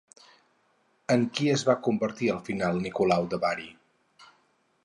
En qui es va convertir al final Nicolau de Bari?